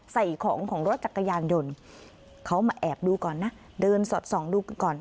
ใส่ของของรถจักรยานยนต์เขามาแอบดูก่อนนะเดินสอดส่องดูก่อน